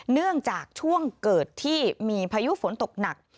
เนื่องจากช่วงเกิดที่มีพายุฝนตกหนัก